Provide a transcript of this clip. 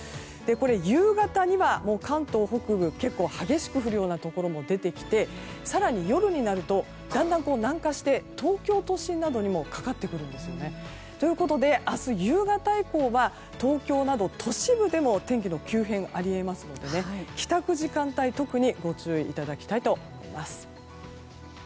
夕方にはもう関東北部結構激しく降るようなところも出てきて更に夜になるとだんだん南下して東京都心などにもかかってくるんですよね。ということで明日夕方以降は東京など都市部でも天気の急変があり得ますので帰宅時間帯特にご注意いただきたいと思います。